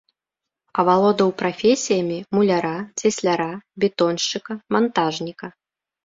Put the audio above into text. Авалодаў прафесіямі муляра, цесляра, бетоншчыка, мантажніка.